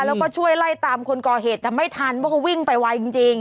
แล้วก็ช่วยไล่ตามคนก่อเหตุแต่ไม่ทันเพราะเขาวิ่งไปไวจริง